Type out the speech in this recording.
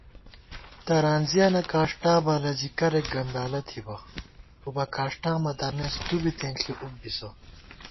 ترانزِیَنہ کاݭٹا بالہ زی کرېک گندالہ تھِبہ * اُبہ کاݭٹا مہ دامېس تُوبی تېنݪی اُب بِسہ